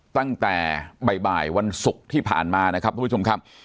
ตั้งแต่บ่ายวันศุกร์ที่ผ่านมานะครับทุกผู้ชมครับ